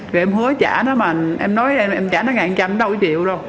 rồi em hứa trả nó mà em nói em trả nó ngàn trăm đâu có triệu đâu